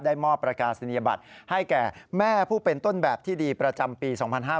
มอบประกาศนียบัตรให้แก่แม่ผู้เป็นต้นแบบที่ดีประจำปี๒๕๕๙